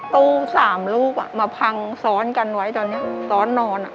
ตู้๓ลูกมาพังซ้อนกันไว้ตอนนี้ซ้อนนอน